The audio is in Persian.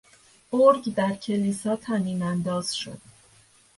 ارگ در کلیسا طنینانداز شد.